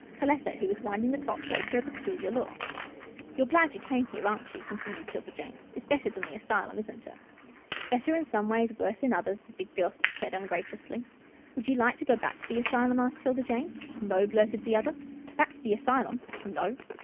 Perletta, who was winding the clock, gave her a peculiar look. " You're glad you came here, aren't you? " con tinued 'Tilda Jane. " It's better than the asylum, isn't it?" 156 'TILDA JANE'S ORPHANS " Better in some ways, wuss in others," said the big girl, ungraciously. "Would you like to go back to the asylum?" asked 'Tilda Jane. " No," blurted the other, " back to the asyljim — no."